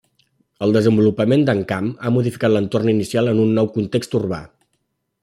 El desenvolupament d'Encamp ha modificat l'entorn inicial en un nou context urbà.